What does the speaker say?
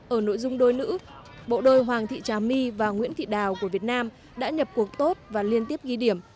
ở nội dung đôi nữ bộ đôi hoàng thị trà my và nguyễn thị đào của việt nam đã nhập cuộc tốt và liên tiếp ghi điểm